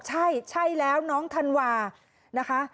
ใช่ใช่แล้วน้องธันวานะคะ